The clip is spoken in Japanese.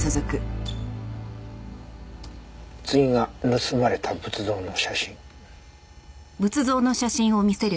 次が盗まれた仏像の写真。